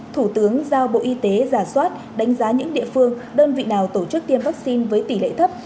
thủ tướng giao bộ y tế giả soát đánh giá những địa phương đơn vị nào tổ chức tiêm vaccine với tỷ lệ thấp